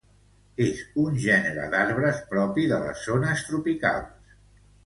És un gènere d'arbres propi de les zones tropicals.